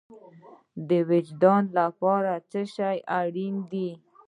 د وجدان لپاره څه شی اړین دی؟